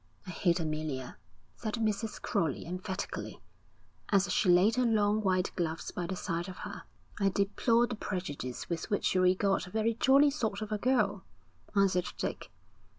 'I hate Amelia,' said Mrs. Crowley emphatically, as she laid her long white gloves by the side of her. 'I deplore the prejudice with which you regard a very jolly sort of a girl,' answered Dick.